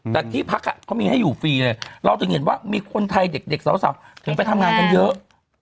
แต่ที่พักเขามีให้อยู่ฟรีเลยเราถึงเห็นว่ามีคนไทยเด็กสาวถึงไปทำงานกันเยอะ